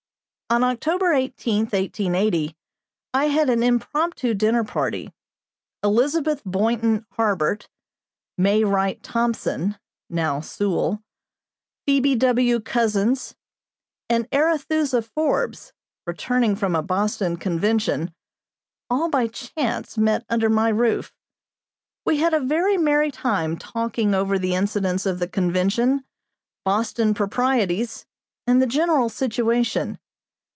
On October 18, 1880, I had an impromptu dinner party. Elizabeth Boynton Harbert, May Wright Thompson (now Sewall), Phoebe W. Couzins, and Arethusa Forbes, returning from a Boston convention, all by chance met under my roof. We had a very merry time talking over the incidents of the convention, Boston proprieties, and the general situation.